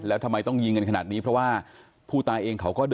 อันนี้ขอปรึกษา